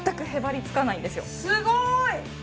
すごい！